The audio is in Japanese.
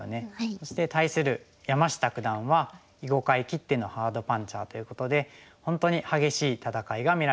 そして対する山下九段は囲碁界きってのハードパンチャーということで本当に激しい戦いが見られるんじゃないかと思って。